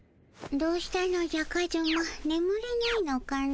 どうしたのじゃカズマねむれないのかの？